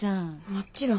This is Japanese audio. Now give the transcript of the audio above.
もちろん。